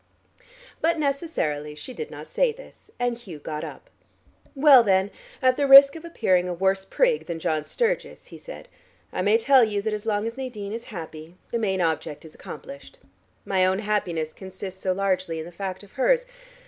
But necessarily she did not say this, and Hugh got up. "Well, then, at the risk of appearing a worse prig than John Sturgis," he said, "I may tell you that as long as Nadine is happy, the main object is accomplished. My own happiness consists so largely in the fact of hers.